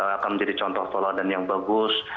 akan menjadi contoh solodan yang bagus